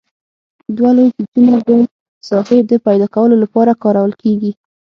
دوه لوی پیچونه د ساحې د پیداکولو لپاره کارول کیږي.